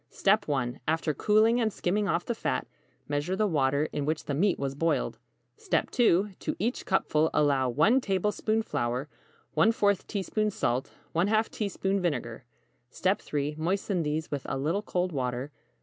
1. After cooling and skimming off the fat, measure the water in which the meat was boiled. 2. To each cupful, allow 1 tablespoon flour, ¼ teaspoon salt, ½ teaspoon vinegar. 3. Moisten these with a little cold water.